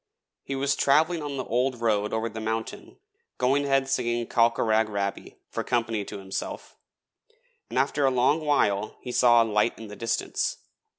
He was travelling on the old road over the mountain, going ahead singing 'Colcheragh Raby' for company to himself, and after a long while he saw a light in the distance.